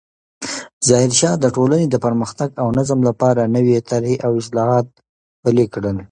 ظاهرشاه د ټولنې د پرمختګ او نظم لپاره نوې طرحې او اصلاحات پلې کړل.